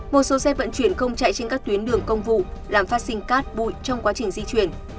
một số xe vận chuyển không chạy trên các tuyến đường công vụ làm phát sinh cát bụi trong quá trình di chuyển